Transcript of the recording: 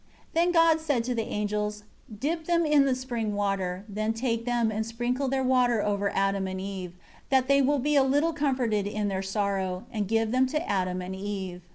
8 Then God said to the angels, "Dip them in the spring of water; then take them and sprinkle their water over Adam and Eve, that they be a little comforted in their sorrow, and give them to Adam and Eve.